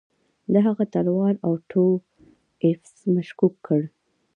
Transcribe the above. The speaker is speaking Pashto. د هغه تلوار اوټو ایفز مشکوک کړ.